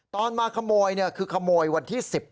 ตอนมาขโมยคือขโมยวันที่๑๐